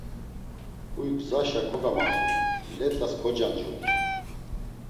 Huy gzaşa kogamaxt̆i, let̆as kocancudi.